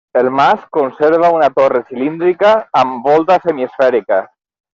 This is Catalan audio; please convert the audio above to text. El mas conserva una torre cilíndrica amb volta semiesfèrica.